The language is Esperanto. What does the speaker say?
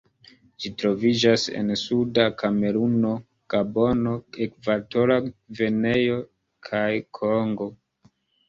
Ĝi troviĝas en suda Kameruno, Gabono, Ekvatora Gvineo, kaj Kongo.